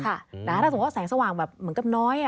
ถ้าสมมติก็แสงสว่างเหมือนกับน้อย